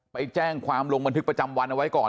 ไปแจ้งความลงบันทึกประจำวันเอาไว้ก่อน